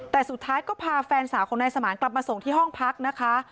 แต่สุดท้ายก็พาแฟนสาวของนายสมานกลับมาส่งที่ห้องพักนะคะ